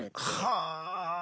はあ。